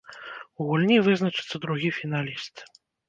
У гульні вызначыцца другі фіналіст.